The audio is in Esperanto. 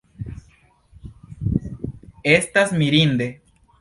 Estas mirinde!